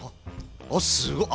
あっすごい！